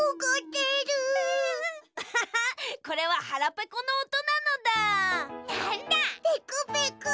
ペコペコ！